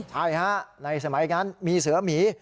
ใช่ฮะในสมัยนั้นมีเสือหมี